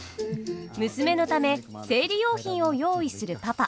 娘のため生理用品を用意するパパ。